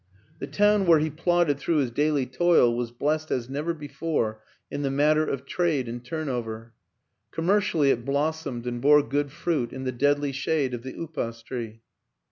The town where he plodded through his daily toil was blessed as never before in the matter of trade and turnover; commercially it blossomed and bore good fruit in the deadly shade of the upas tree.